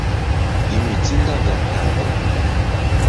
Imitinda verkado.